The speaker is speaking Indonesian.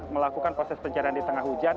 melakukan proses pencarian di tengah hujan